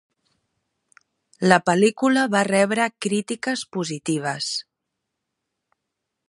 La pel·lícula va rebre crítiques positives.